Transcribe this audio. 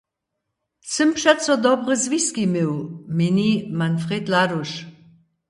„Sym přeco dobre zwiski měł“, měni Manfred Laduš.